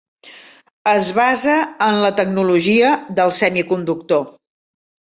Es basa en la tecnologia del semiconductor.